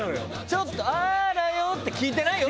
ちょっと「あらよ」って聞いてないよ